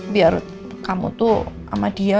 biar kamu tuh sama dia